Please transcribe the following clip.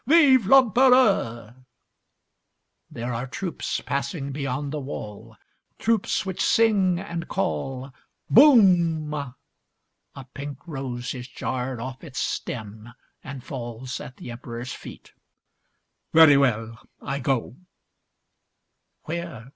'Vive l'Empereur!' There are troops passing beyond the wall, troops which sing and call. Boom! A pink rose is jarred off its stem and falls at the Emperor's feet. "Very well. I go." Where!